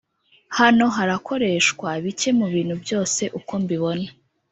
Hano harakoreshwa bike mubintu byose uko mbibona